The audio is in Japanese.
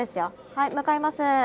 はい向かいます。